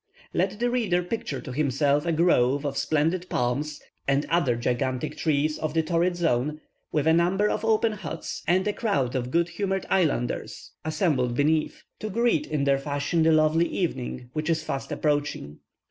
Let the reader picture to himself a grove of splendid palms, and other gigantic trees of the torrid zone, with a number of open huts, and a crowd of good humoured islanders assembled beneath, to greet, in their fashion, the lovely evening, which is fast approaching.